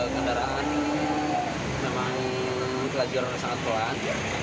kendaraan memang kelajuran sangat pelan